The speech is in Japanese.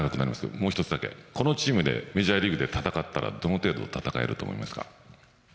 このチームでメジャーリーグで戦ったらどの程度、戦えると思いますか？